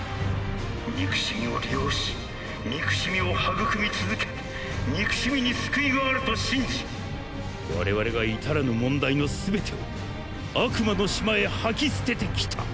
憎しみを利用し憎しみを育み続け憎しみに救いがあると信じ我々が至らぬ問題のすべてを「悪魔の島」へ吐き捨ててきた。